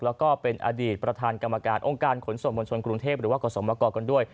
แล้วก็เป็นอดีตประธานกรรมการองค์การขนส่งมวลชนกรุงเทพหรือว่ากรสมกรกันด้วย